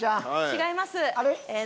違います。